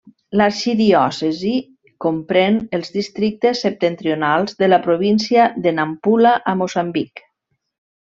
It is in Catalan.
L'arxidiòcesi comprèn els districtes septentrionals de la província de Nampula a Moçambic.